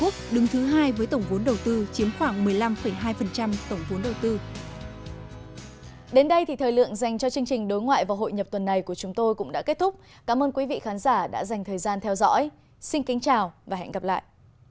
phó thủ tướng bộ ngoại và hội nhập tuần này của chúng tôi cũng đã kết thúc cảm ơn quý vị khán giả đã dành thời gian theo dõi xin kính chào và hẹn gặp lại